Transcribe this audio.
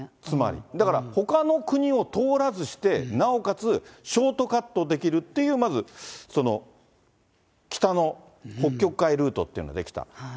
つまり、だからほかの国を通らずして、なおかつショートカットできるっていう、まず北の北極海ルートっていうのが出来た。